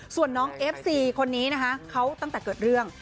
ส่วนน้องเอฟซีคนนี้นะคะเขาตั้งแต่เกิดเรื่อง